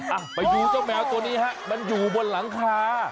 อ่ะไปดูเจ้าแมวตัวนี้ฮะมันอยู่บนหลังคา